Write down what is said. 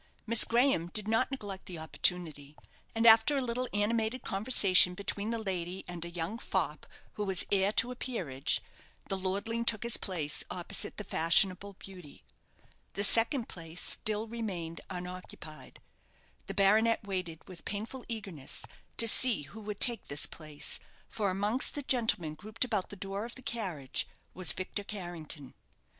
Miss Graham did not neglect the opportunity; and after a little animated conversation between the lady and a young fop who was heir to a peerage, the lordling took his place opposite the fashionable beauty. The second place still remained unoccupied. The baronet waited with painful eagerness to see who would take this place, for amongst the gentlemen grouped about the door of the carriage was Victor Carrington.